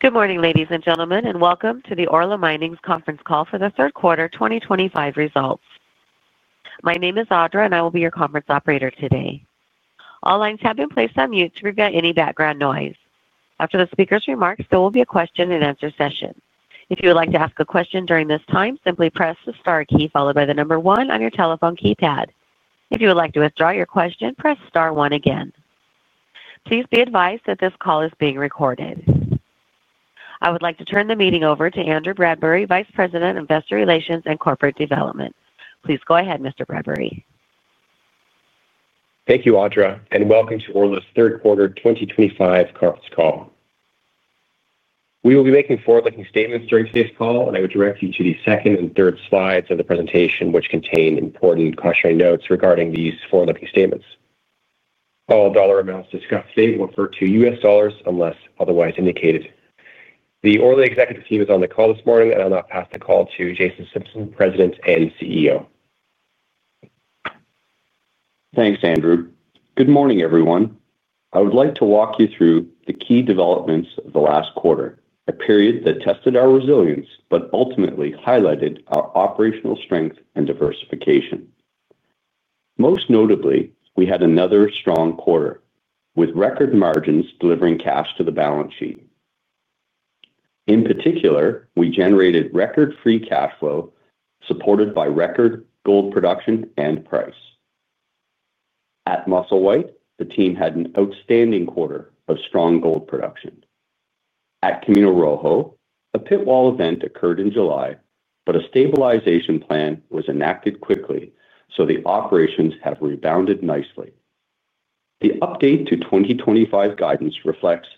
Good morning, ladies and gentlemen, and welcome to Orla Mining's conference call for the third quarter 2025 Results. My name is Audra, and I will be your conference operator today. All lines have been placed on mute to prevent any background noise. After the speaker's remarks, there will be a question-and-answer session. If you would like to ask a question during this time, simply press the star key followed by the number one on your telephone keypad. If you would like to withdraw your question, press star one again. Please be advised that this call is being recorded. I would like to turn the meeting over to Andrew Bradbury, Vice President of Investor Relations and Corporate Development. Please go ahead, Mr. Bradbury. Thank you, Audra, and welcome to Orla's third quarter 2025 conference call. We will be making forward-looking statements during today's call, and I would direct you to the second and third slides of the presentation, which contain important cautionary notes regarding these forward-looking statements. All dollar amounts discussed today will refer to U.S. dollars unless otherwise indicated. The Orla executive team is on the call this morning, and I'll now pass the call to Jason Simpson, President and CEO. Thanks, Andrew. Good morning, everyone. I would like to walk you through the key developments of the last quarter, a period that tested our resilience but ultimately highlighted our operational strength and diversification. Most notably, we had another strong quarter with record margins delivering cash to the balance sheet. In particular, we generated record free cash flow supported by record gold production and price. At Musselwhite, the team had an outstanding quarter of strong gold production. At Camino Rojo, a pit wall event occurred in July, but a stabilization plan was enacted quickly, so the operations have rebounded nicely. The update to 2025 guidance reflects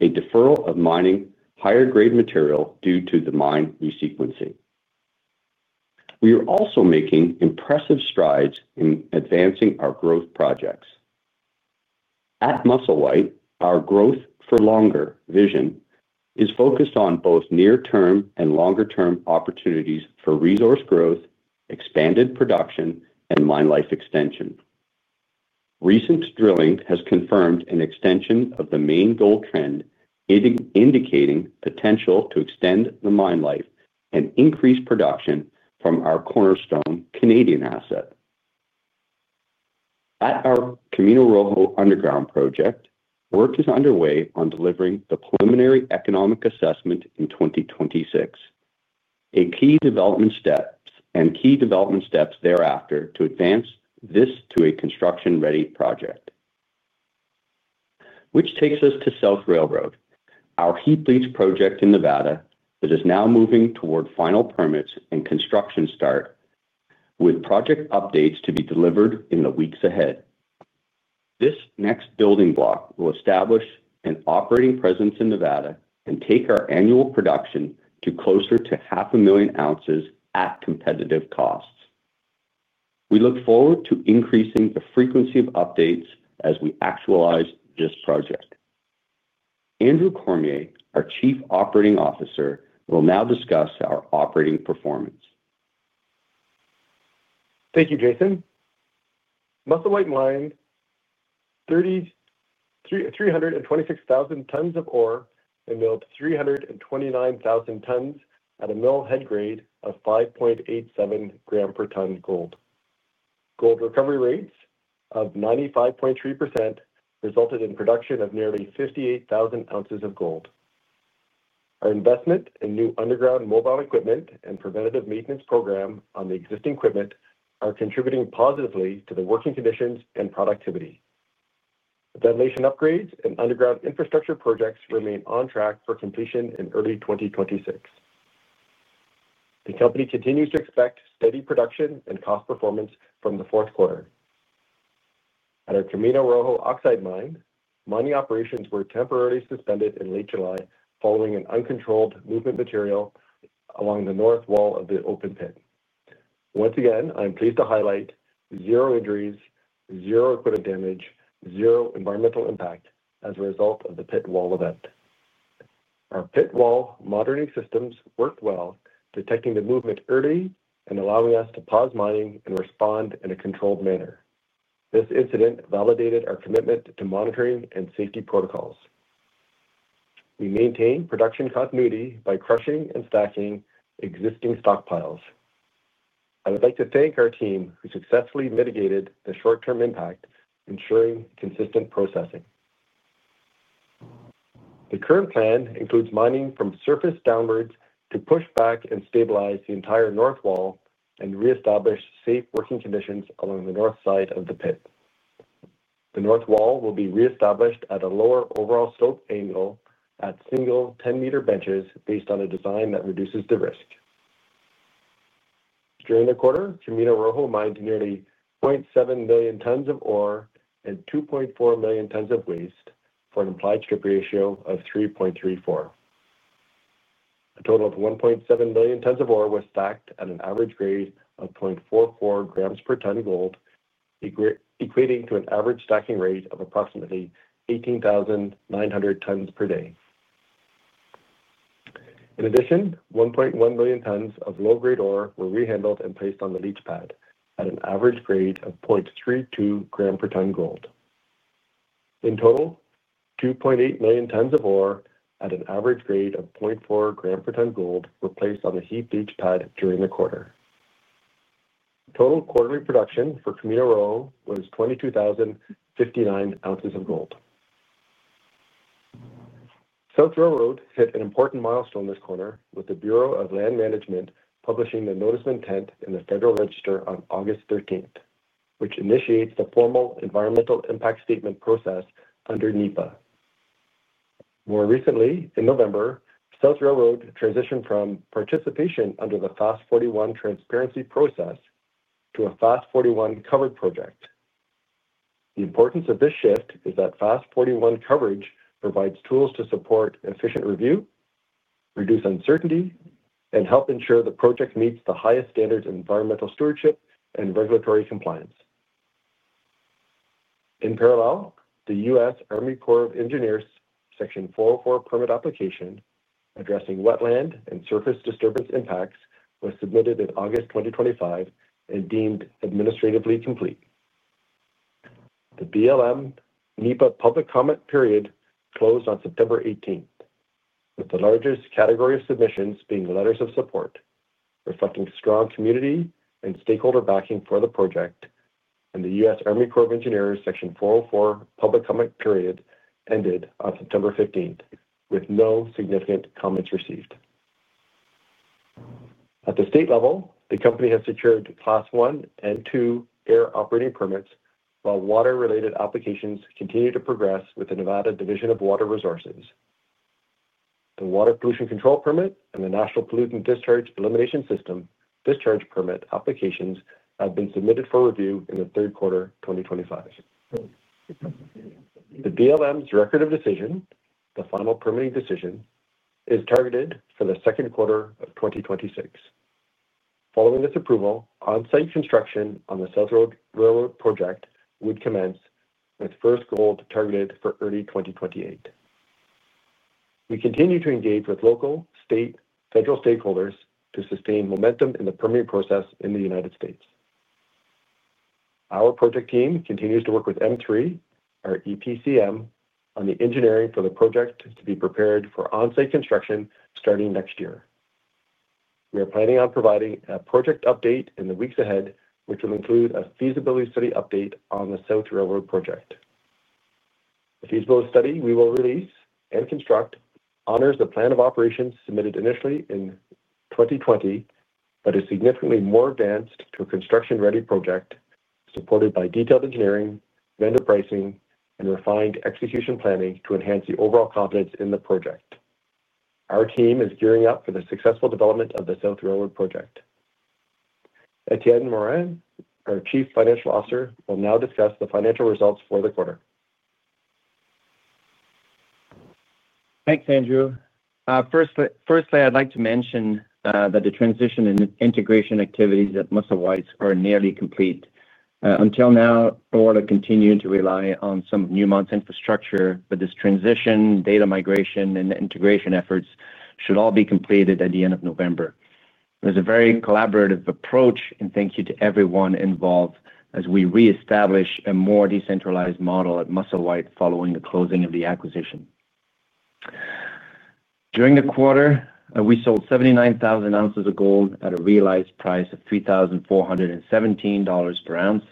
a deferral of mining higher-grade material due to the mine re-sequencing. We are also making impressive strides in advancing our growth projects. At Musselwhite, our growth-for-longer vision is focused on both near-term and longer-term opportunities for resource growth, expanded production, and mine life extension. Recent drilling has confirmed an extension of the main gold trend, indicating potential to extend the mine life and increase production from our cornerstone Canadian asset. At our Camino Rojo underground project, work is underway on delivering the preliminary economic assessment in 2026, a key development step and key development steps thereafter to advance this to a construction-ready project. This takes us to South Railroad, our heap leach project in Nevada that is now moving toward final permits and construction start, with project updates to be delivered in the weeks ahead. This next building block will establish an operating presence in Nevada and take our annual production to closer to 500,000 ounces at competitive costs. We look forward to increasing the frequency of updates as we actualize this project. Andrew Cormier, our Chief Operating Officer, will now discuss our operating performance. Thank you, Jason. Musselwhite mined 326,000 tons of ore and milled 329,000 tons at a mill head grade of 5.87 gram per ton gold. Gold recovery rates of 95.3% resulted in production of nearly 58,000 ounces of gold. Our investment in new underground mobile equipment and preventative maintenance program on the existing equipment are contributing positively to the working conditions and productivity. Ventilation upgrades and underground infrastructure projects remain on track for completion in early 2026. The company continues to expect steady production and cost performance from the fourth quarter. At our Camino Rojo Oxide Gold Mine, mining operations were temporarily suspended in late July following an uncontrolled movement of material along the north wall of the open pit. Once again, I'm pleased to highlight zero injuries, zero equipment damage, zero environmental impact as a result of the pit wall event. Our pit wall monitoring systems worked well, detecting the movement early and allowing us to pause mining and respond in a controlled manner. This incident validated our commitment to monitoring and safety protocols. We maintain production continuity by crushing and stacking existing stockpiles. I would like to thank our team who successfully mitigated the short-term impact, ensuring consistent processing. The current plan includes mining from surface downwards to push back and stabilize the entire north wall and reestablish safe working conditions along the north side of the pit. The north wall will be reestablished at a lower overall slope angle at single 10-meter benches based on a design that reduces the risk. During the quarter, Camino Rojo mined nearly 0.7 million tons of ore and 2.4 million tons of waste for an implied strip ratio of 3.34. A total of 1.7 million tons of ore was stacked at an average grade of 0.44 grams per ton gold, equating to an average stacking rate of approximately 18,900 tons per day. In addition, 1.1 million tons of low-grade ore were rehandled and placed on the leach pad at an average grade of 0.32 gram per ton gold. In total, 2.8 million tons of ore at an average grade of 0.4 gram per ton gold were placed on the heap leach pad during the quarter. Total quarterly production for Camino Rojo was 22,059 ounces of gold. South Railroad hit an important milestone this quarter, with the Bureau of Land Management publishing the Notice of Intent in the Federal Register on August 13th, which initiates the formal environmental impact statement process under NEPA. More recently, in November, South Railroad transitioned from participation under the FAST-41 transparency process to a FAST-41 covered project. The importance of this shift is that FAST-41 coverage provides tools to support efficient review, reduce uncertainty, and help ensure the project meets the highest standards of environmental stewardship and regulatory compliance. In parallel, the U.S. Army Corps of Engineers Section 404 permit application addressing wetland and surface disturbance impacts was submitted in August 2025 and deemed administratively complete. The BLM NEPA public comment period closed on September 18th, with the largest category of submissions being letters of support reflecting strong community and stakeholder backing for the project, and the U.S. Army Corps of Engineers Section 404 public comment period ended on September 15th with no significant comments received. At the state level, the company has secured Class I and II air operating permits, while water-related applications continue to progress with the Nevada Division of Water Resources. The Water Pollution Control Permit and the National Pollutant Discharge Elimination System discharge permit applications have been submitted for review in the third quarter 2025. The BLM's record of decision, the final permitting decision, is targeted for the second quarter of 2026. Following this approval, on-site construction on the South Railroad project would commence with first gold targeted for early 2028. We continue to engage with local, state, and federal stakeholders to sustain momentum in the permitting process in the U.S. Our project team continues to work with M3, our EPCM, on the engineering for the project to be prepared for on-site construction starting next year. We are planning on providing a project update in the weeks ahead, which will include a feasibility study update on the South Railroad project. The feasibility study we will release and construct honors the Plan of Operations submitted initially in 2020 but is significantly more advanced to a construction-ready project supported by detailed engineering, vendor pricing, and refined execution planning to enhance the overall confidence in the project. Our team is gearing up for the successful development of the South Railroad project. Etienne Morin, our Chief Financial Officer, will now discuss the financial results for the quarter. Thanks, Andrew. Firstly, I'd like to mention that the transition and integration activities at Musselwhite are nearly complete. Until now, Orla continued to rely on some of Newmont's infrastructure, but this transition, data migration, and integration efforts should all be completed at the end of November. It was a very collaborative approach, and thank you to everyone involved as we reestablish a more decentralized model at Musselwhite following the closing of the acquisition. During the quarter, we sold 79,000 ounces of gold at a realized price of $3,417 per ounce,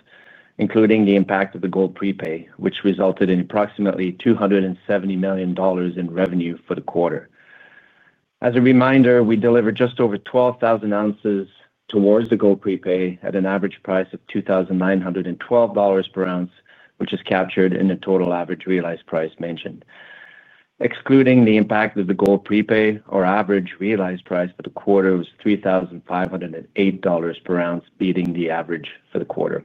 including the impact of the gold prepay, which resulted in approximately $270 million in revenue for the quarter. As a reminder, we delivered just over 12,000 ounces towards the gold prepay at an average price of $2,912 per ounce, which is captured in the total average realized price mentioned. Excluding the impact of the gold prepay, our average realized price for the quarter was $3,508 per ounce, beating the average for the quarter.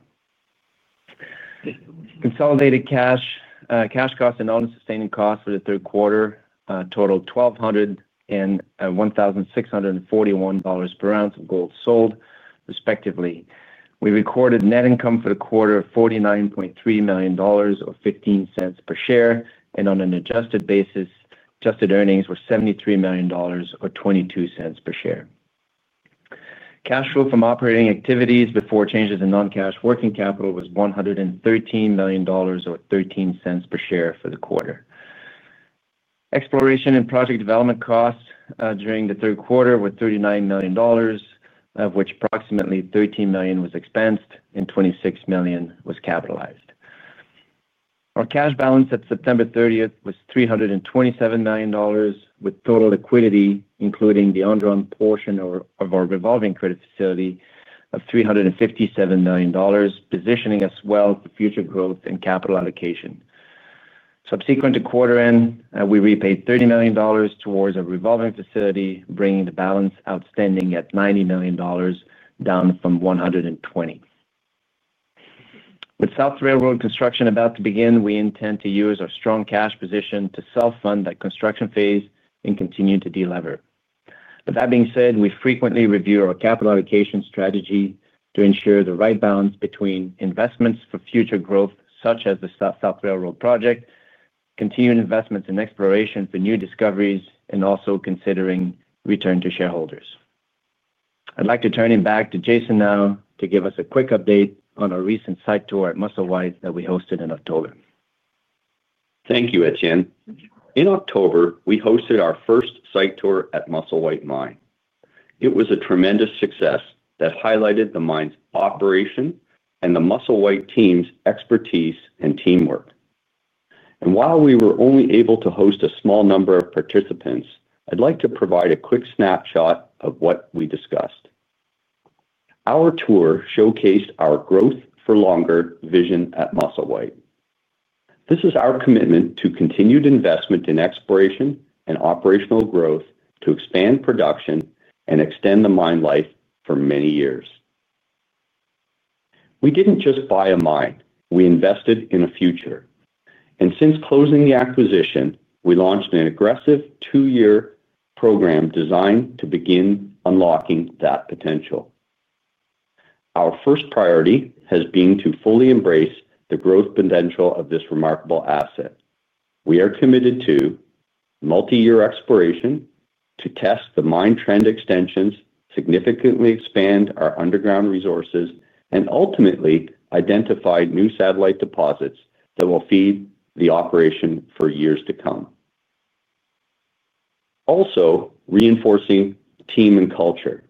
Consolidated cash, cash costs, and other sustaining costs for the third quarter totaled $1,200 and $1,641 per ounce of gold sold, respectively. We recorded net income for the quarter of $49.3 million or $0.15 per share, and on an adjusted basis, adjusted earnings were $73 million or $0.22 per share. Cash flow from operating activities before changes in non-cash working capital was $113 million or $0.13 per share for the quarter. Exploration and project development costs during the third quarter were $39 million, of which approximately $13 million was expensed and $26 million was capitalized. Our cash balance at September 30th was $327 million, with total liquidity, including the underground portion of our revolving credit facility, of $357 million, positioning us well for future growth and capital allocation. Subsequent to quarter end, we repaid $30 million towards a revolving facility, bringing the balance outstanding at $90 million down from $120 million. With South Railroad construction about to begin, we intend to use our strong cash position to self-fund that construction phase and continue to deliver. With that being said, we frequently review our capital allocation strategy to ensure the right balance between investments for future growth, such as the South Railroad project, continued investments in exploration for new discoveries, and also considering return to shareholders. I'd like to turn it back to Jason now to give us a quick update on our recent site tour at Musselwhite that we hosted in October. Thank you, Etienne. In October, we hosted our first site tour at Musselwhite Mine. It was a tremendous success that highlighted the mine's operation and the Musselwhite team's expertise and teamwork. While we were only able to host a small number of participants, I'd like to provide a quick snapshot of what we discussed. Our tour showcased our growth-for-longer vision at Musselwhite. This is our commitment to continued investment in exploration and operational growth to expand production and extend the mine life for many years. We did not just buy a mine; we invested in a future. Since closing the acquisition, we launched an aggressive two-year program designed to begin unlocking that potential. Our first priority has been to fully embrace the growth potential of this remarkable asset. We are committed to multi-year exploration to test the mine trend extensions, significantly expand our underground resources, and ultimately identify new satellite deposits that will feed the operation for years to come. Also, reinforcing team and culture.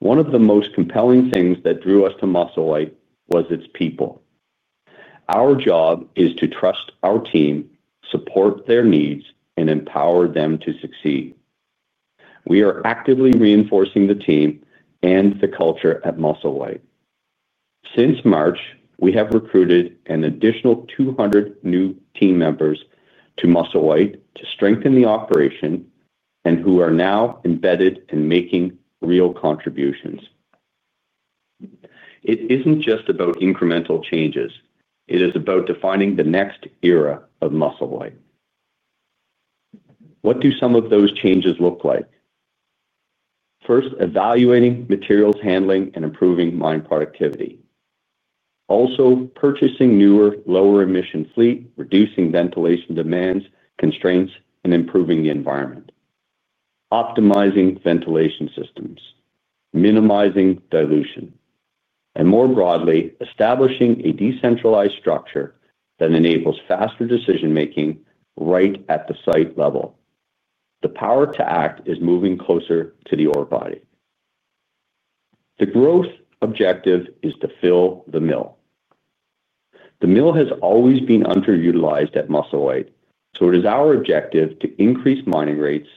One of the most compelling things that drew us to Musselwhite was its people. Our job is to trust our team, support their needs, and empower them to succeed. We are actively reinforcing the team and the culture at Musselwhite. Since March, we have recruited an additional 200 new team members to Musselwhite to strengthen the operation and who are now embedded in making real contributions. It is not just about incremental changes; it is about defining the next era of Musselwhite. What do some of those changes look like? First, evaluating materials handling and improving mine productivity. Also, purchasing newer, lower-emission fleet, reducing ventilation demands, constraints, and improving the environment. Optimizing ventilation systems, minimizing dilution. More broadly, establishing a decentralized structure that enables faster decision-making right at the site level. The power to act is moving closer to the ore body. The growth objective is to fill the mill. The mill has always been underutilized at Musselwhite, so it is our objective to increase mining rates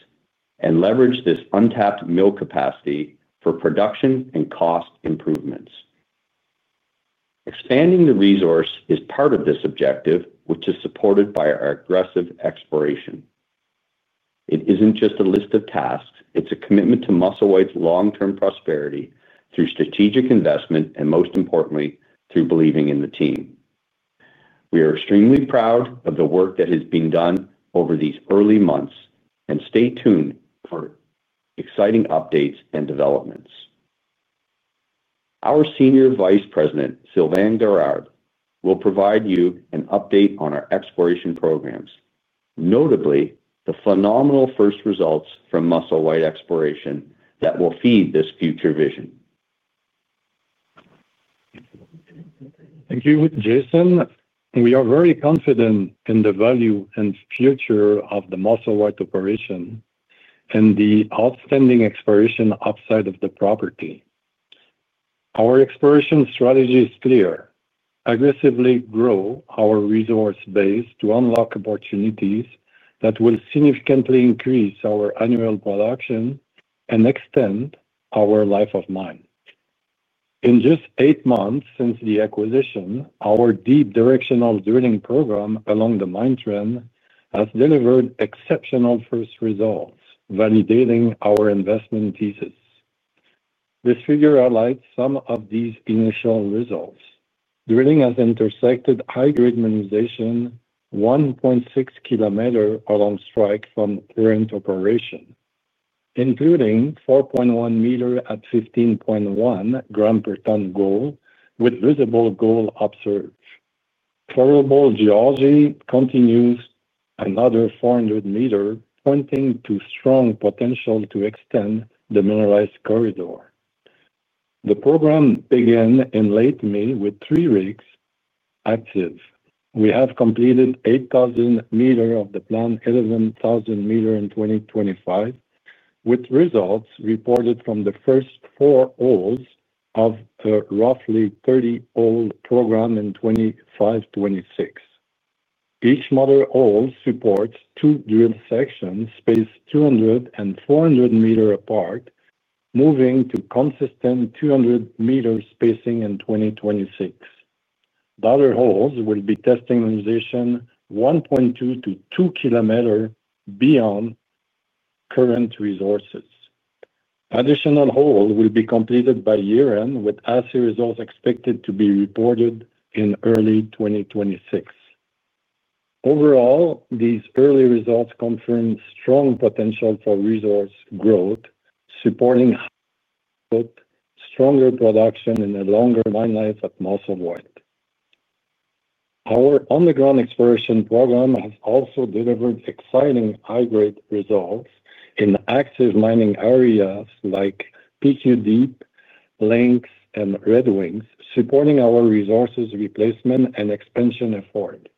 and leverage this untapped mill capacity for production and cost improvements. Expanding the resource is part of this objective, which is supported by our aggressive exploration. It is not just a list of tasks; it is a commitment to Musselwhite's long-term prosperity through strategic investment and, most importantly, through believing in the team. We are extremely proud of the work that has been done over these early months, and stay tuned for exciting updates and developments. Our Senior Vice President, Sylvanne Gerard, will provide you an update on our exploration programs, notably the phenomenal first results from Musselwhite exploration that will feed this future vision. Thank you, Jason. We are very confident in the value and future of the Musselwhite operation and the outstanding exploration upside of the property. Our exploration strategy is clear: aggressively grow our resource base to unlock opportunities that will significantly increase our annual production and extend our life of mine. In just eight months since the acquisition, our deep directional drilling program along the mine trend has delivered exceptional first results, validating our investment thesis. This figure highlights some of these initial results. Drilling has intersected high-grade mineralization 1.6 km along strike from current operation, including 4.1 m at 15.1 g/t gold with visible gold observed. Floral ball geology continues another 400 m, pointing to strong potential to extend the mineralized corridor. The program began in late May with three rigs active. We have completed 8,000 m of the planned 11,000 m in 2025, with results reported from the first four holes of a roughly 30-hole program in 2026. Each modern hole supports two drill sections spaced 200 and 400 m apart, moving to consistent 200 m spacing in 2026. Other holes will be testing mineralization 1.2-2 km beyond current resources. Additional holes will be completed by year-end, with assay results expected to be reported in early 2026. Overall, these early results confirm strong potential for resource growth, supporting stronger production and a longer mine life at Musselwhite. Our underground exploration program has also delivered exciting high-grade results in active mining areas like PQ Deep, Lynx, and Red Wings, supporting our resource replacement and expansion effort.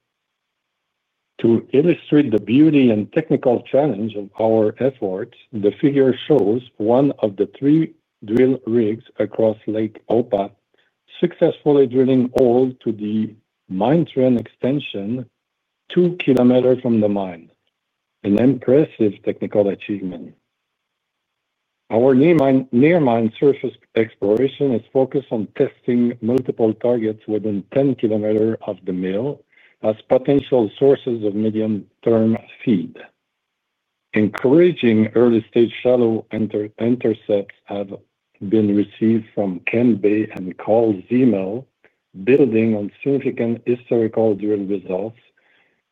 To illustrate the beauty and technical challenge of our efforts, the figure shows one of the three drill rigs across Lake Opah successfully drilling gold to the mine trend extension 2 km from the mine, an impressive technical achievement. Our near mine surface exploration is focused on testing multiple targets within 10 km of the mill as potential sources of medium-term feed. Encouraging early-stage shallow intercepts have been received from Ken Bay and Carl Ziemel, building on significant historical drill results,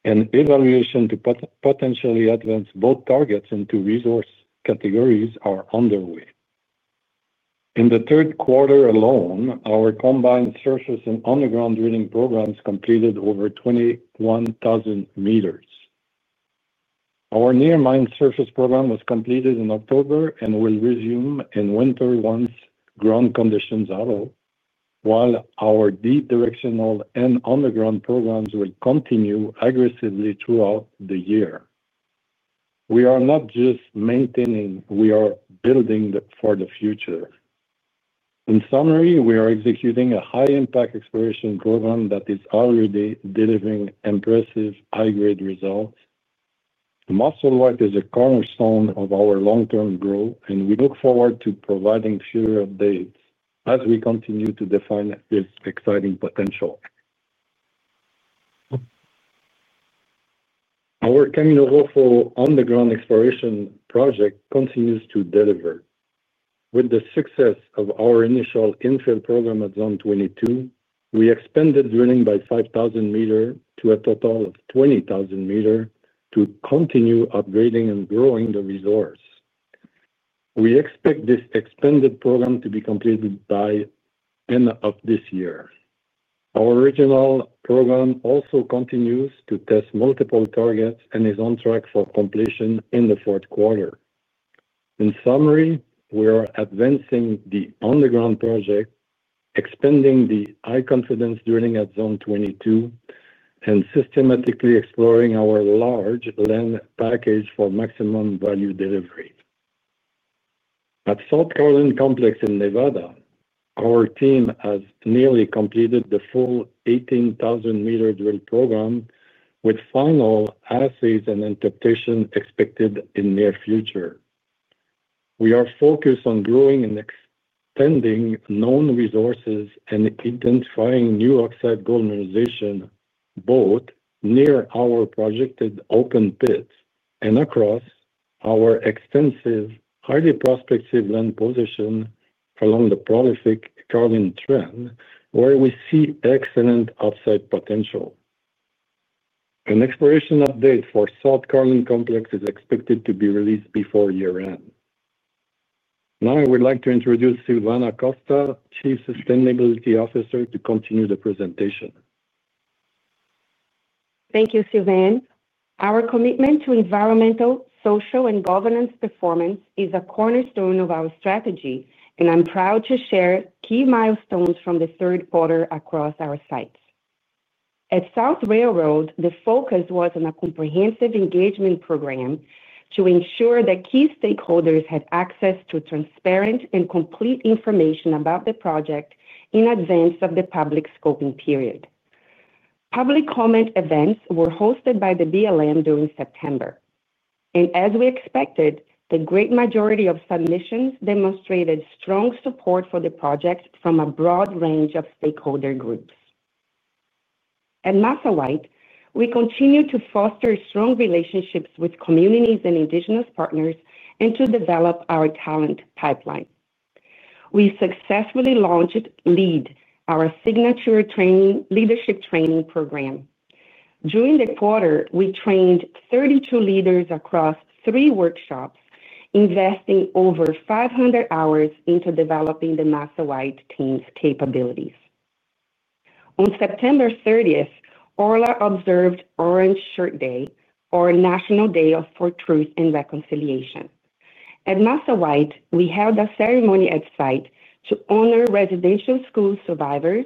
and evaluation to potentially advance both targets into resource categories are underway. In the third quarter alone, our combined surface and underground drilling programs completed over 21,000 m. Our near mine surface program was completed in October and will resume in winter once ground conditions allow, while our deep directional and underground programs will continue aggressively throughout the year. We are not just maintaining; we are building for the future. In summary, we are executing a high-impact exploration program that is already delivering impressive high-grade results. Musselwhite is a cornerstone of our long-term growth, and we look forward to providing future updates as we continue to define this exciting potential. Our Camino Rojo underground exploration project continues to deliver. With the success of our initial infill program at Zone 22, we expanded drilling by 5,000 meter to a total of 20,000 meter to continue upgrading and growing the resource. We expect this expanded program to be completed by end of this year. Our original program also continues to test multiple targets and is on track for completion in the fourth quarter. In summary, we are advancing the underground project, expanding the high-confidence drilling at Zone 22, and systematically exploring our large land package for maximum value delivery. At South Carlin Complex in Nevada, our team has nearly completed the full 18,000 meter drill program, with final assays and interpretation expected in the near future. We are focused on growing and expanding known resources and identifying new oxide gold mineralization both near our projected open pits and across our extensive highly prospective land position along the prolific Carlin trend, where we see excellent upside potential. An exploration update for South Carlin Complex is expected to be released before year-end. Now, I would like to introduce Sylvanne Acosta, Chief Sustainability Officer, to continue the presentation. Thank you, Sylvanne. Our commitment to environmental, social, and governance performance is a cornerstone of our strategy, and I'm proud to share key milestones from the third quarter across our sites. At South Railroad, the focus was on a comprehensive engagement program to ensure that key stakeholders had access to transparent and complete information about the project in advance of the public scoping period. Public comment events were hosted by the BLM during September. As we expected, the great majority of submissions demonstrated strong support for the project from a broad range of stakeholder groups. At Musselwhite, we continue to foster strong relationships with communities and indigenous partners and to develop our talent pipeline. We successfully launched LEAD, our signature leadership training program. During the quarter, we trained 32 leaders across three workshops, investing over 500 hours into developing the Musselwhite team's capabilities. On September 30th, Orla observed Orange Shirt Day, or National Day of Truth and Reconciliation. At Musselwhite, we held a ceremony at site to honor residential school survivors,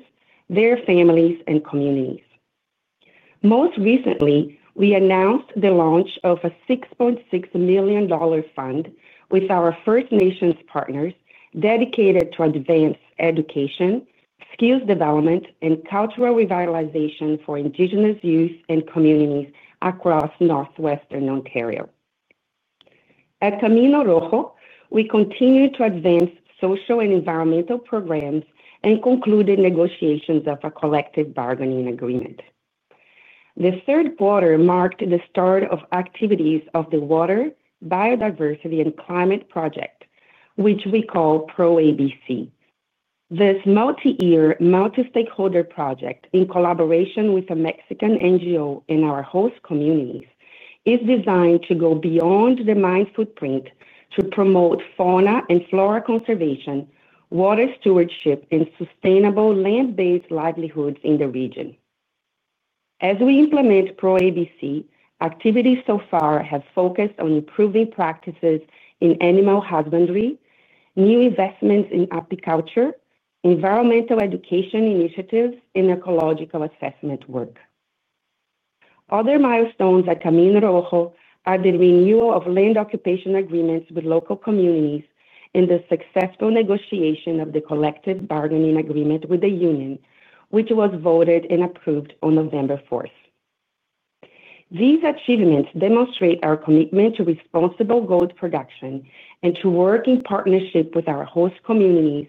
their families, and communities. Most recently, we announced the launch of a $6.6 million fund with our First Nations partners dedicated to advanced education, skills development, and cultural revitalization for indigenous youth and communities across northwestern Ontario. At Camino Rojo, we continue to advance social and environmental programs and concluded negotiations of a collective bargaining agreement. The third quarter marked the start of activities of the Water, Biodiversity, and Climate Project, which we call PRO-ABC. This multi-year, multi-stakeholder project, in collaboration with a Mexican NGO and our host communities, is designed to go beyond the mine footprint to promote fauna and flora conservation, water stewardship, and sustainable land-based livelihoods in the region. As we implement PRO-ABC, activities so far have focused on improving practices in animal husbandry, new investments in apiculture, environmental education initiatives, and ecological assessment work. Other milestones at Camino Rojo are the renewal of land occupation agreements with local communities and the successful negotiation of the collective bargaining agreement with the union, which was voted and approved on November 4th. These achievements demonstrate our commitment to responsible gold production and to work in partnership with our host communities,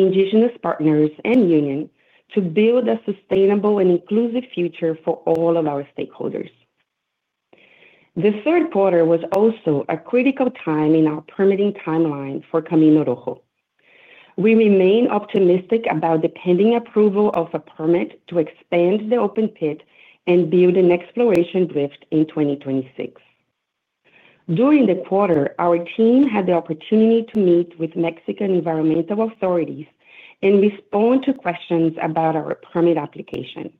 indigenous partners, and union to build a sustainable and inclusive future for all of our stakeholders. The third quarter was also a critical time in our permitting timeline for Camino Rojo. We remain optimistic about the pending approval of a permit to expand the open pit and build an exploration drift in 2026. During the quarter, our team had the opportunity to meet with Mexican environmental authorities and respond to questions about our permit application.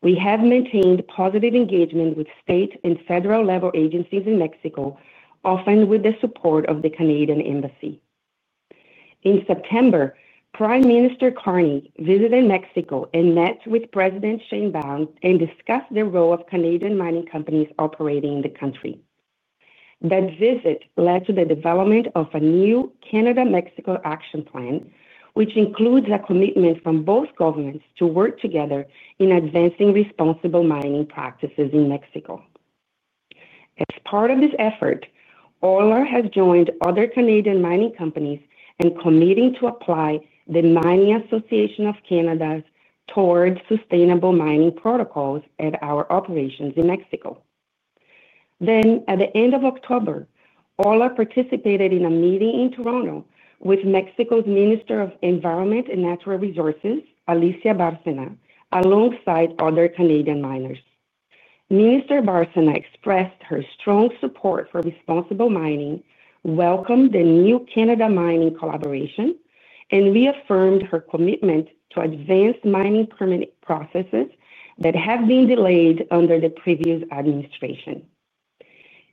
We have maintained positive engagement with state and federal level agencies in Mexico, often with the support of the Canadian embassy. In September, Prime Minister Carney visited Mexico and met with President Sheinbaum and discussed the role of Canadian mining companies operating in the country. That visit led to the development of a new Canada-Mexico action plan, which includes a commitment from both governments to work together in advancing responsible mining practices in Mexico. As part of this effort, Orla has joined other Canadian mining companies and committed to apply the Mining Association of Canada's Towards Sustainable Mining Protocols at our operations in Mexico. At the end of October, Orla participated in a meeting in Toronto with Mexico's Minister of Environment and Natural Resources, Alicia Bárcena, alongside other Canadian miners. Minister Bárcena expressed her strong support for responsible mining, welcomed the new Canada mining collaboration, and reaffirmed her commitment to advance mining permit processes that have been delayed under the previous administration.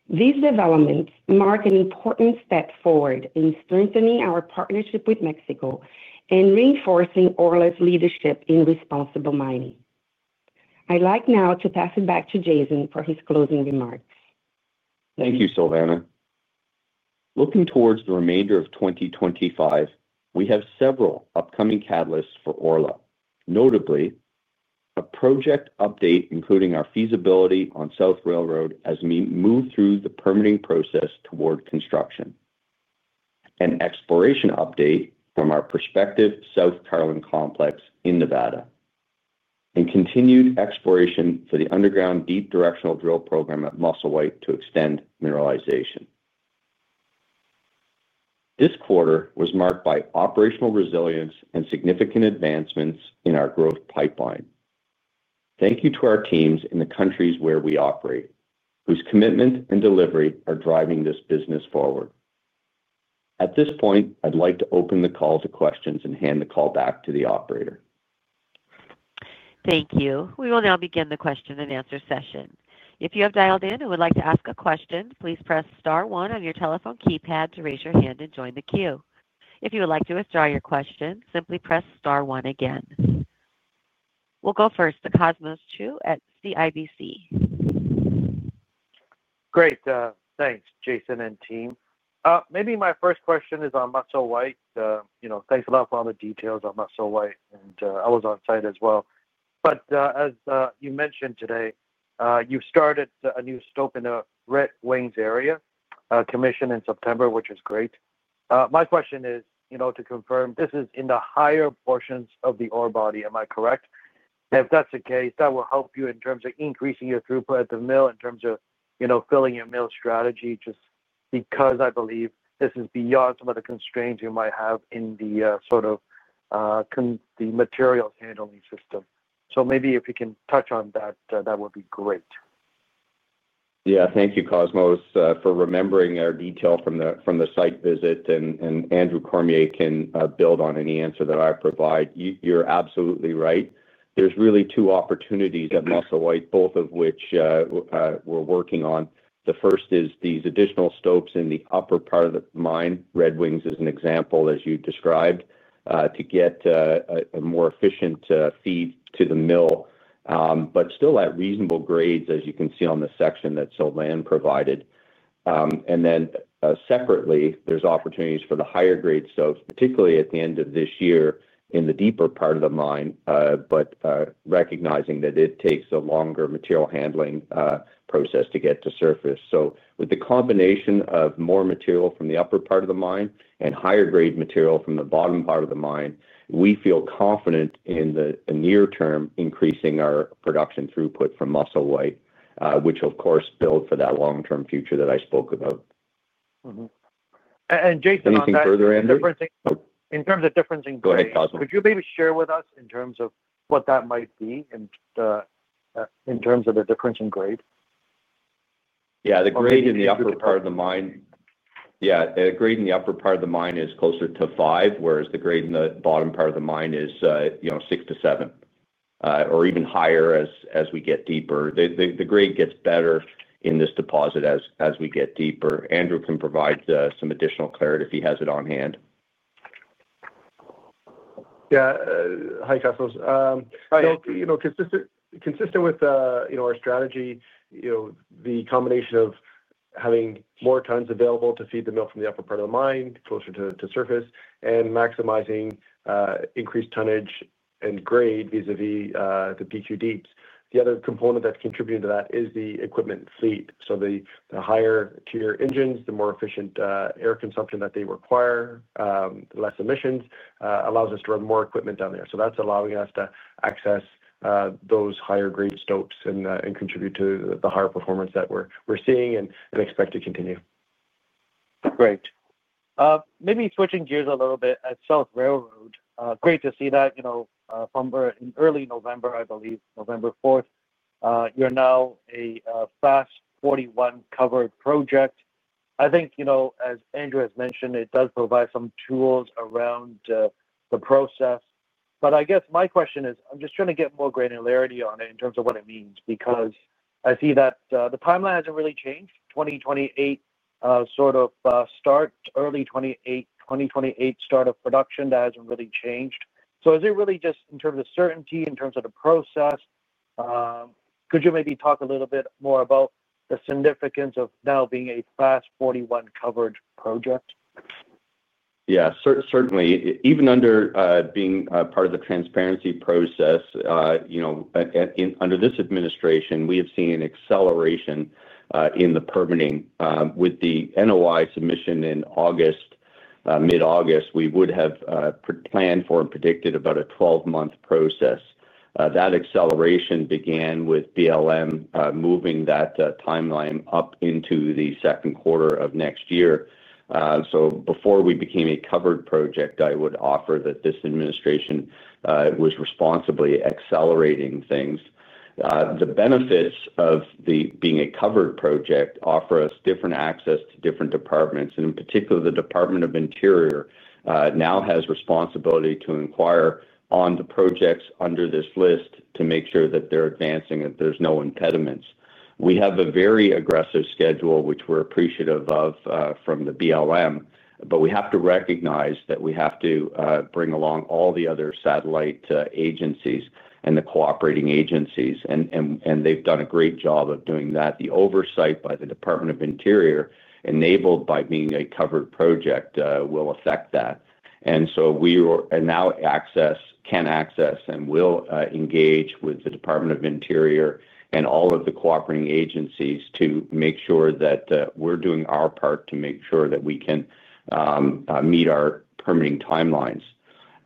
These developments mark an important step forward in strengthening our partnership with Mexico and reinforcing Orla's leadership in responsible mining. I'd like now to pass it back to Jason for his closing remarks. Thank you, Sylvanne. Looking towards the remainder of 2025, we have several upcoming catalysts for Orla, notably a project update including our feasibility on South Railroad as we move through the permitting process toward construction, an exploration update from our prospective South Carlin Complex in Nevada, and continued exploration for the underground deep directional drill program at Musselwhite to extend mineralization. This quarter was marked by operational resilience and significant advancements in our growth pipeline. Thank you to our teams in the countries where we operate, whose commitment and delivery are driving this business forward. At this point, I'd like to open the call to questions and hand the call back to the operator. Thank you. We will now begin the question and answer session. If you have dialed in and would like to ask a question, please press star one on your telephone keypad to raise your hand and join the queue. If you would like to withdraw your question, simply press star one again. We'll go first to Cosmos Chiu at CIBC. Great. Thanks, Jason and team. Maybe my first question is on Musselwhite. Thanks a lot for all the details on Musselwhite, and I was on site as well. As you mentioned today, you've started a new scope in the Red Wings area commission in September, which is great. My question is, to confirm, this is in the higher portions of the ore body, am I correct? If that's the case, that will help you in terms of increasing your throughput at the mill in terms of filling your mill strategy, just because I believe this is beyond some of the constraints you might have in the sort of the materials handling system. Maybe if you can touch on that, that would be great. Yeah, thank you, Cosmos, for remembering our detail from the site visit, and Andrew Cormier can build on any answer that I provide. You're absolutely right. There's really two opportunities at Musselwhite, both of which we're working on. The first is these additional scopes in the upper part of the mine, Red Wings as an example, as you described, to get a more efficient feed to the mill, but still at reasonable grades, as you can see on the section that Sylvanne provided. Then separately, there's opportunities for the higher grade scopes, particularly at the end of this year in the deeper part of the mine, but recognizing that it takes a longer material handling process to get to surface. With the combination of more material from the upper part of the mine and higher grade material from the bottom part of the mine, we feel confident in the near term increasing our production throughput from Musselwhite, which, of course, builds for that long-term future that I spoke about. Jason, I'm sorry. Anything further, Andrew? In terms of difference in grade. Go ahead, Cosmos. Could you maybe share with us in terms of what that might be in terms of the difference in grade? Yeah, the grade in the upper part of the mine, yeah, the grade in the upper part of the mine is closer to five, whereas the grade in the bottom part of the mine is six to seven, or even higher as we get deeper. The grade gets better in this deposit as we get deeper. Andrew can provide some additional clarity if he has it on hand. Yeah. Hi, Cosmos. Hi. Consistent with our strategy, the combination of having more tons available to feed the mill from the upper part of the mine, closer to surface, and maximizing increased tonnage and grade vis-à-vis the BQ deeps. The other component that's contributing to that is the equipment fleet. The higher-tier engines, the more efficient air consumption that they require, the less emissions, allows us to run more equipment down there. That's allowing us to access those higher-grade scopes and contribute to the higher performance that we're seeing and expect to continue. Great. Maybe switching gears a little bit at South Railroad. Great to see that from early November, I believe, November 4th. You're now a FAST-41 covered project. I think, as Andrew has mentioned, it does provide some tools around the process. I guess my question is, I'm just trying to get more granularity on it in terms of what it means, because I see that the timeline hasn't really changed. 2028 sort of start, early 2028 start of production, that hasn't really changed. Is it really just in terms of certainty, in terms of the process? Could you maybe talk a little bit more about the significance of now being a FAST-41 covered project? Yeah, certainly. Even under being part of the transparency process, under this administration, we have seen an acceleration in the permitting. With the NOI submission in August, mid-August, we would have planned for and predicted about a 12-month process. That acceleration began with BLM moving that timeline up into the second quarter of next year. Before we became a covered project, I would offer that this administration was responsibly accelerating things. The benefits of being a covered project offer us different access to different departments, and in particular, the Department of the Interior now has responsibility to inquire on the projects under this list to make sure that they're advancing and there's no impediments. We have a very aggressive schedule, which we're appreciative of from the BLM, but we have to recognize that we have to bring along all the other satellite agencies and the cooperating agencies, and they've done a great job of doing that. The oversight by the Department of the Interior, enabled by being a covered project, will affect that. We now can access and will engage with the Department of the Interior and all of the cooperating agencies to make sure that we're doing our part to make sure that we can meet our permitting timelines.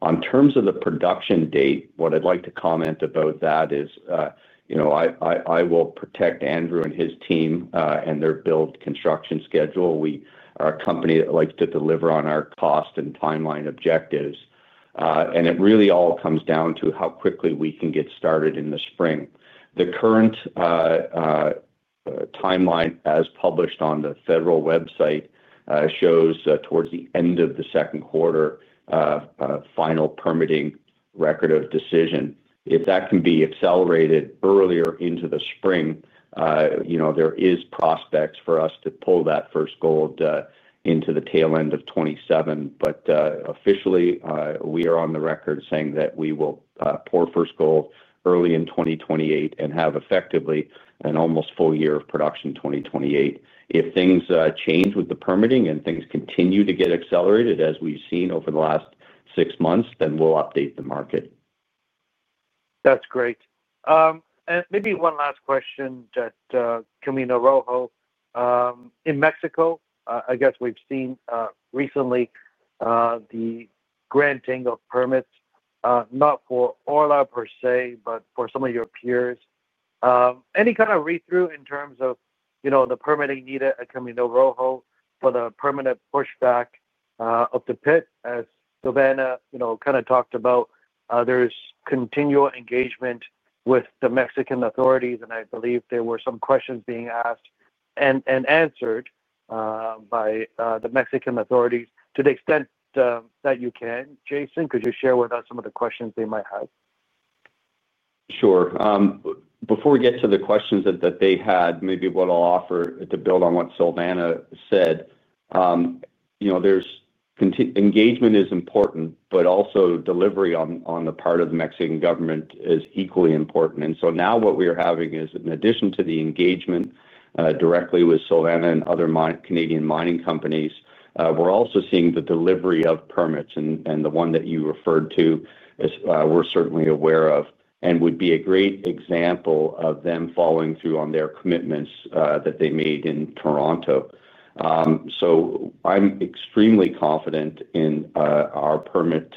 On terms of the production date, what I'd like to comment about that is I will protect Andrew and his team and their build construction schedule. We are a company that likes to deliver on our cost and timeline objectives, and it really all comes down to how quickly we can get started in the spring. The current timeline, as published on the federal website, shows towards the end of the second quarter final permitting record of decision. If that can be accelerated earlier into the spring, there is prospect for us to pull that first gold into the tail end of 2027. Officially, we are on the record saying that we will pour first gold early in 2028 and have effectively an almost full year of production in 2028. If things change with the permitting and things continue to get accelerated, as we have seen over the last six months, then we will update the market. That's great. Maybe one last question to Camino Rojo. In Mexico, I guess we've seen recently the granting of permits, not for Orla per se, but for some of your peers. Any kind of read-through in terms of the permitting needed at Camino Rojo for the permanent pushback of the pit, as Sylvanne kind of talked about? There's continual engagement with the Mexican authorities, and I believe there were some questions being asked and answered by the Mexican authorities. To the extent that you can, Jason, could you share with us some of the questions they might have? Sure. Before we get to the questions that they had, maybe what I'll offer to build on what Sylvanne said, engagement is important, but also delivery on the part of the Mexican government is equally important. Now what we are having is, in addition to the engagement directly with Sylvanne and other Canadian mining companies, we're also seeing the delivery of permits, and the one that you referred to, we're certainly aware of and would be a great example of them following through on their commitments that they made in Toronto. I'm extremely confident in our permit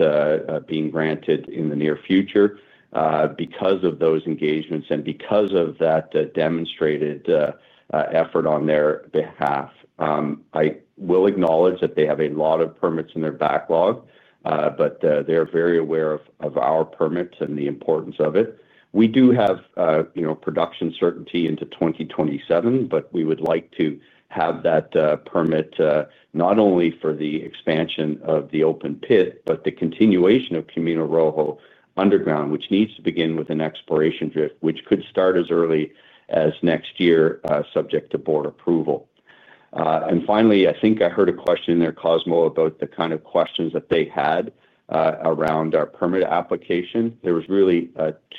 being granted in the near future because of those engagements and because of that demonstrated effort on their behalf. I will acknowledge that they have a lot of permits in their backlog, but they're very aware of our permit and the importance of it. We do have production certainty into 2027, but we would like to have that permit not only for the expansion of the open pit, but the continuation of Camino Rojo underground, which needs to begin with an exploration drift, which could start as early as next year, subject to board approval. Finally, I think I heard a question there, Cosmos, about the kind of questions that they had around our permit application. There were really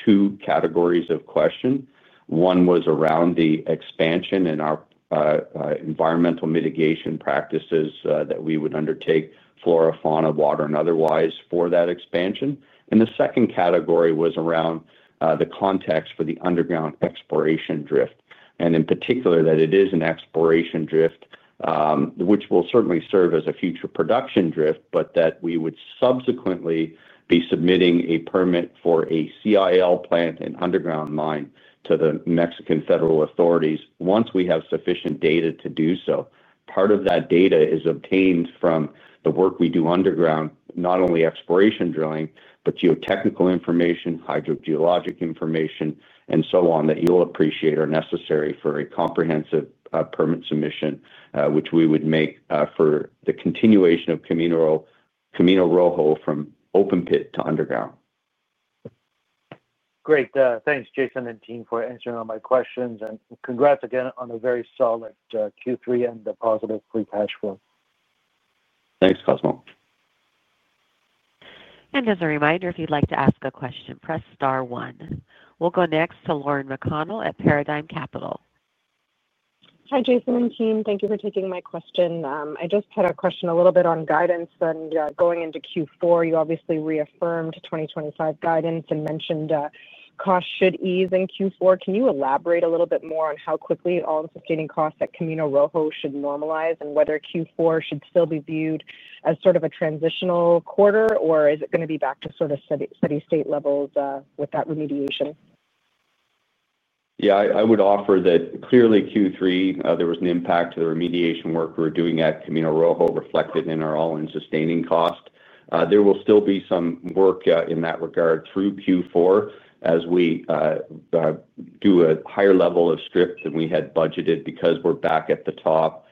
two categories of questions. One was around the expansion and our environmental mitigation practices that we would undertake, fluorophan of water and otherwise for that expansion. The second category was around the context for the underground exploration drift, and in particular that it is an exploration drift, which will certainly serve as a future production drift, but that we would subsequently be submitting a permit for a CIL plant in underground mine to the Mexican federal authorities once we have sufficient data to do so. Part of that data is obtained from the work we do underground, not only exploration drilling, but geotechnical information, hydrogeologic information, and so on that you'll appreciate are necessary for a comprehensive permit submission, which we would make for the continuation of Camino Rojo from open pit to underground. Great. Thanks, Jason and team, for answering all my questions, and congrats again on a very solid Q3 and a positive free cash flow. Thanks, Cosmo. As a reminder, if you'd like to ask a question, press star one. We'll go next to Lauren McConnell at Paradigm Capital. Hi, Jason and team. Thank you for taking my question. I just had a question a little bit on guidance. Going into Q4, you obviously reaffirmed 2025 guidance and mentioned costs should ease in Q4. Can you elaborate a little bit more on how quickly all-in sustaining costs at Camino Rojo should normalize and whether Q4 should still be viewed as sort of a transitional quarter, or is it going to be back to sort of steady state levels with that remediation? Yeah, I would offer that clearly Q3, there was an impact to the remediation work we were doing at Camino Rojo reflected in our all-in sustaining cost. There will still be some work in that regard through Q4 as we do a higher level of strip than we had budgeted because we're back at the top,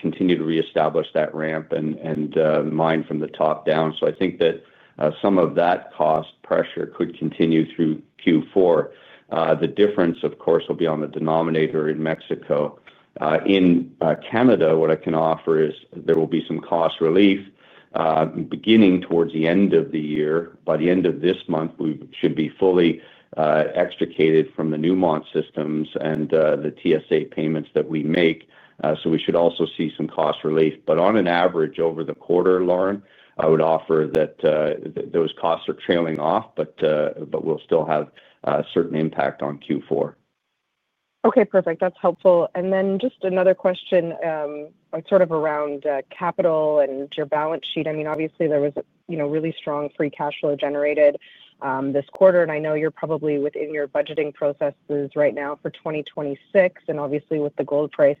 continue to reestablish that ramp and mine from the top down. I think that some of that cost pressure could continue through Q4. The difference, of course, will be on the denominator in Mexico. In Canada, what I can offer is there will be some cost relief beginning towards the end of the year. By the end of this month, we should be fully extricated from the Newmont systems and the TSA payments that we make. We should also see some cost relief. On an average over the quarter, Lauren, I would offer that those costs are trailing off, but we'll still have a certain impact on Q4. Okay, perfect. That's helpful. And then just another question sort of around capital and your balance sheet. I mean, obviously, there was a really strong free cash flow generated this quarter, and I know you're probably within your budgeting processes right now for 2026, and obviously, with the gold price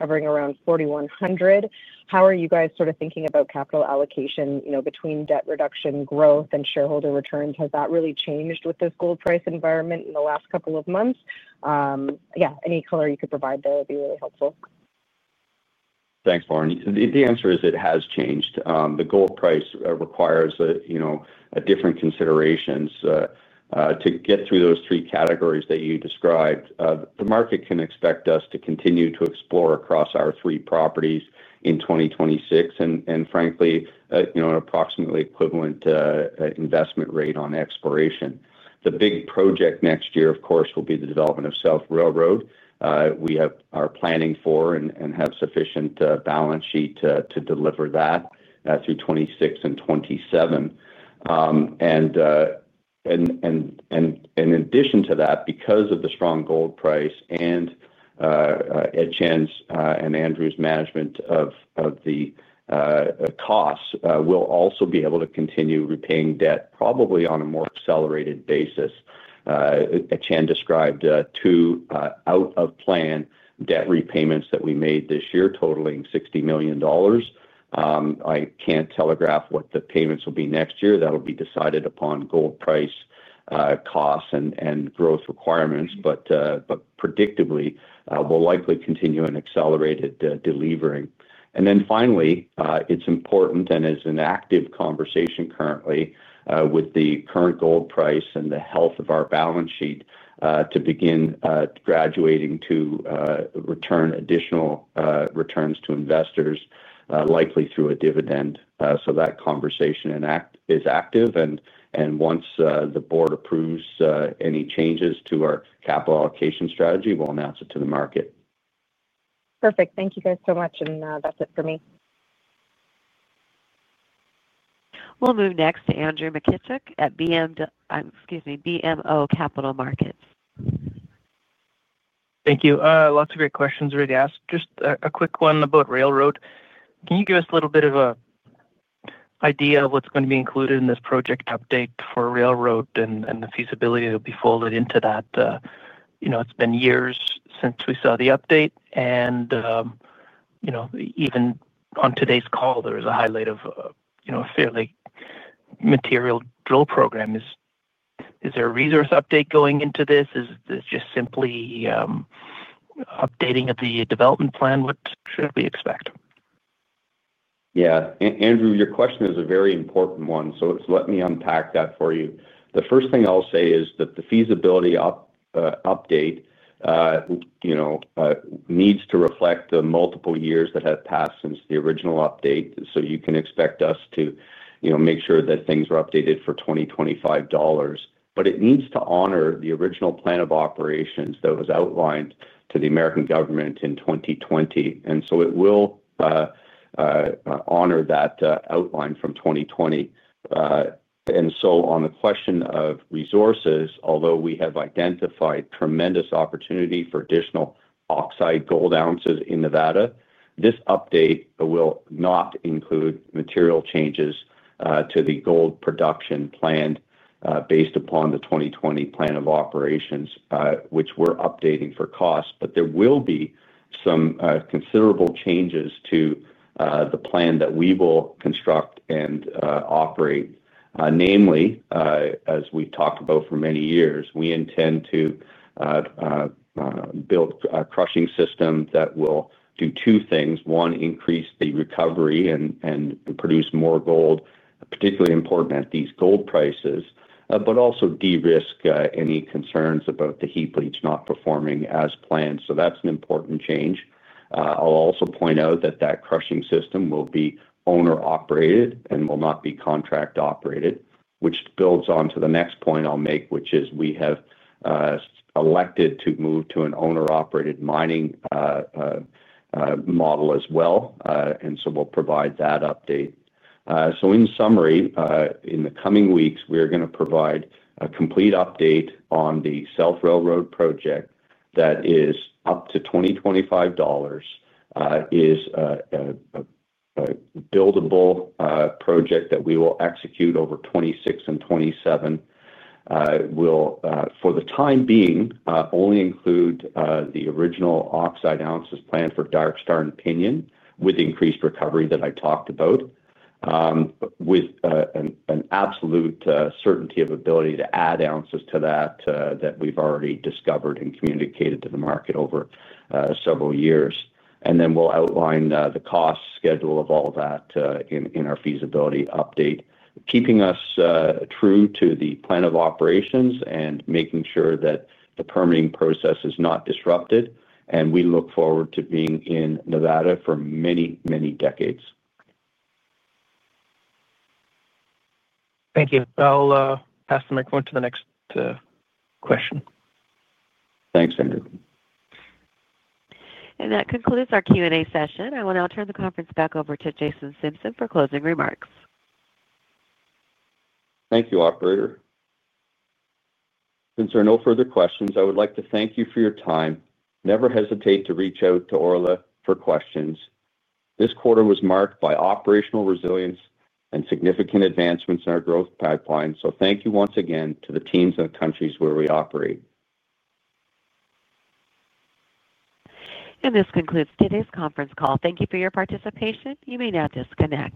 hovering around $4,100. How are you guys sort of thinking about capital allocation between debt reduction, growth, and shareholder returns? Has that really changed with this gold price environment in the last couple of months? Yeah, any color you could provide there would be really helpful. Thanks, Lauren. The answer is it has changed. The gold price requires different considerations to get through those three categories that you described. The market can expect us to continue to explore across our three properties in 2026, and frankly, an approximately equivalent investment rate on exploration. The big project next year, of course, will be the development of South Railroad. We are planning for and have sufficient balance sheet to deliver that through 2026 and 2027. In addition to that, because of the strong gold price and Etienne's and Andrew's management of the costs, we'll also be able to continue repaying debt probably on a more accelerated basis. Etienne described two out-of-plan debt repayments that we made this year totaling $60 million. I can't telegraph what the payments will be next year. That will be decided upon gold price, costs, and growth requirements, but predictably, we'll likely continue in accelerated delivering. Finally, it's important and is an active conversation currently with the current gold price and the health of our balance sheet to begin graduating to return additional returns to investors, likely through a dividend. That conversation is active, and once the board approves any changes to our capital allocation strategy, we'll announce it to the market. Perfect. Thank you guys so much, and that's it for me. We'll move next to Andrew McKittrick at BMO Capital Markets. Thank you. Lots of great questions already asked. Just a quick one about Railroad. Can you give us a little bit of an idea of what's going to be included in this project update for Railroad and the feasibility that will be folded into that? It's been years since we saw the update, and even on today's call, there was a highlight of a fairly material drill program. Is there a resource update going into this? Is this just simply updating of the development plan? What should we expect? Yeah. Andrew, your question is a very important one, so let me unpack that for you. The first thing I'll say is that the feasibility update needs to reflect the multiple years that have passed since the original update. You can expect us to make sure that things are updated for $2025, but it needs to honor the original Plan of Operations that was outlined to the U.S. government in 2020. It will honor that outline from 2020. On the question of resources, although we have identified tremendous opportunity for additional oxide gold ounces in Nevada, this update will not include material changes to the gold production planned based upon the 2020 Plan of Operations, which we're updating for cost, but there will be some considerable changes to the plan that we will construct and operate. Namely, as we've talked about for many years, we intend to build a crushing system that will do two things. One, increase the recovery and produce more gold, particularly important at these gold prices, but also de-risk any concerns about the heap leach not performing as planned. That is an important change. I'll also point out that that crushing system will be owner-operated and will not be contract-operated, which builds on to the next point I'll make, which is we have elected to move to an owner-operated mining model as well. We will provide that update. In summary, in the coming weeks, we are going to provide a complete update on the South Railroad project that is up to $2025, is a buildable project that we will execute over 2026 and 2027. For the time being, only include the original oxide ounces plan for Dark Star and Pinyon with increased recovery that I talked about, with an absolute certainty of ability to add ounces to that that we've already discovered and communicated to the market over several years. We will outline the cost schedule of all that in our feasibility update, keeping us true to the plan of operations and making sure that the permitting process is not disrupted. We look forward to being in Nevada for many, many decades. Thank you. I'll pass the microphone to the next question. Thanks, Andrew. That concludes our Q&A session. I will now turn the conference back over to Jason Simpson for closing remarks. Thank you, Operator. Since there are no further questions, I would like to thank you for your time. Never hesitate to reach out to Orla for questions. This quarter was marked by operational resilience and significant advancements in our growth pipeline. Thank you once again to the teams and countries where we operate. This concludes today's conference call. Thank you for your participation. You may now disconnect.